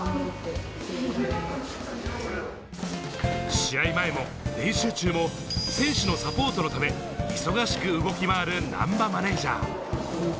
試合前も練習中も、選手のサポートのため、忙しく動き回る難波マネージャー。